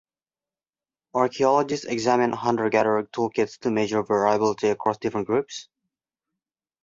Archaeologists examine hunter-gatherer tool kits to measure variability across different groups.